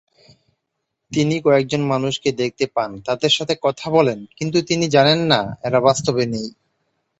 তিনি কয়েকজন মানুষকে দেখতে পান, তাদের সাথে কথা বলেন কিন্তু তিনি জানেন না এরা বাস্তবে নেই!